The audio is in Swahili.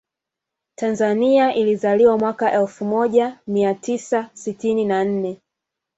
Tanzania ilizaliwa mwaka Elfu moja miatisa sitini na nne